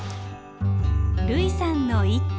類さんの一句。